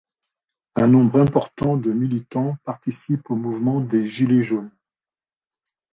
Un nombre important de militants participe au mouvement des Gilets jaunes.